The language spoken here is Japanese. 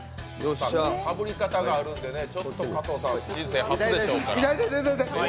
かぶり方があるんで加藤さんは人生初でしょうが。